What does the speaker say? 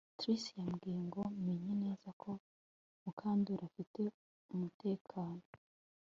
Trix yambwiye ngo menye neza ko Mukandoli afite umutekano